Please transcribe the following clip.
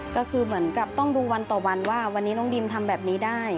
ก็คือเหมือนกับต้องดูวันต่อวันว่าวันนี้น้องดิมทำแบบนี้ได้